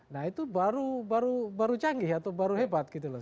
nah itu baru canggih atau baru hebat gitu loh